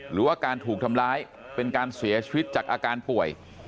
หรือว่าการถูกทำร้ายเป็นการเสียชีวิตจากอาการป่วย